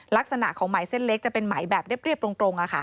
ลักษณะของไหมเส้นเล็กจะเป็นไหมแบบเรียบตรง